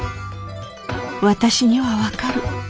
私には分かる。